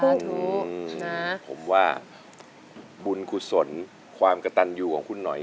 ผมว่าบุญกุศลความกระตันอยู่ของคุณหน่อย